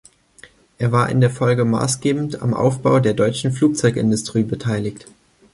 Er war in der Folge maßgebend am Aufbau der deutschen Flugzeugindustrie beteiligt.